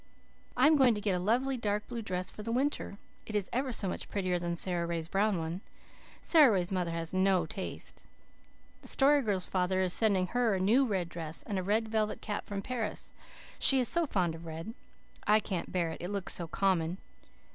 "I am going to get a lovely dark blue dress for the winter. It is ever so much prettier than Sara Ray's brown one. Sara Ray's mother has no taste. The Story Girl's father is sending her a new red dress, and a red velvet cap from Paris. She is so fond of red. I can't bear it, it looks so common.